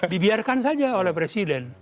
dibiarkan saja oleh presiden